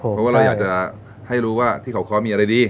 เพราะว่าเราอยากจะให้รู้ว่าที่เขาเคาะมีอะไรดี